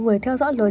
người theo dõi lớn